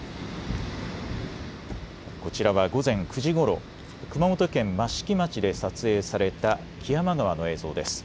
こちらは午前９時ごろ、熊本県益城町で撮影された木山川の映像です。